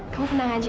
kamu tenang aja